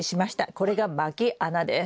これがまき穴です。